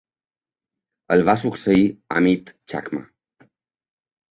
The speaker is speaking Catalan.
El va succeir Amit Chakma.